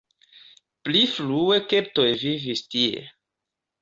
Pli frue keltoj vivis tie.